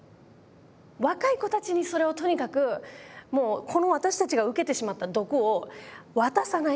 若い子たちにそれをとにかくもうこの私たちが受けてしまった毒を渡さない。